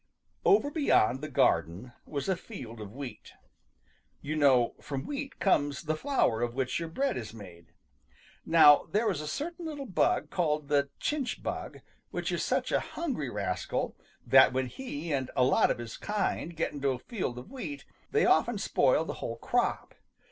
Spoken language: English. Over beyond the garden was a field of wheat. You know from wheat comes the flour of which your bread is made. Now there is a certain little bug called the chinch bug which is such a hungry rascal that when he and a lot of his kind get into a field of wheat, they often spoil the whole crop.